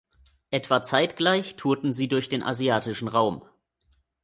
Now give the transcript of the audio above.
Etwa zeitgleich tourten sie durch den asiatischen Raum.